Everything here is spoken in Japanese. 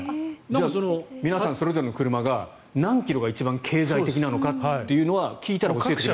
皆さんそれぞれの車が何キロが一番経済的なのかというのは聞いたら教えてくれる。